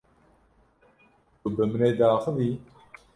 Tu bi min re diaxivî?